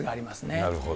なるほど。